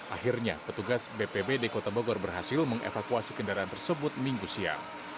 akhirnya petugas bpbd kota bogor berhasil mengevakuasi kendaraan tersebut minggu siang